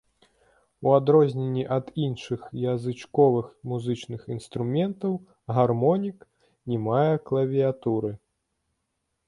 У адрозненні ад іншых язычковых музычных інструментаў гармонік не мае клавіятуры.